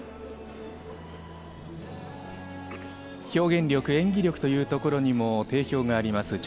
表現力、演技力というところにも定評があります。